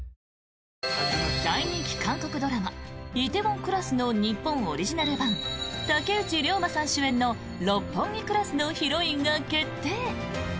大人気韓国ドラマ「梨泰院クラス」の日本オリジナル版竹内涼真さん主演の「六本木クラス」のヒロインが決定！